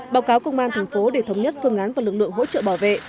báo cáo công an thành phố để thống nhất phương án và lực lượng hỗ trợ bảo vệ